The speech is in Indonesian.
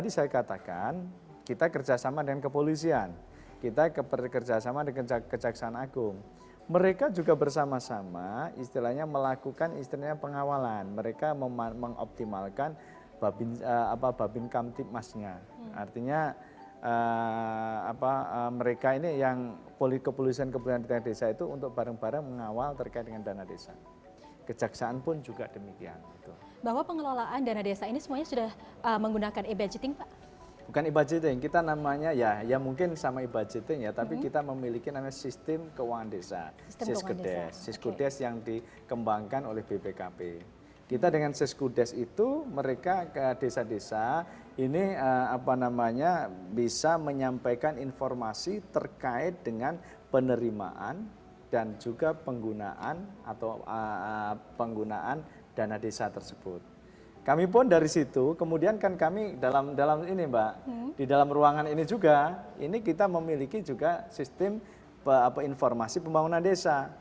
ini kita memiliki juga sistem informasi pembangunan desa